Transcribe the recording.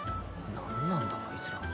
何なんだあいつら。